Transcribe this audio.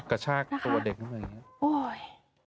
กระชากตัวเด็กนึงแบบนี้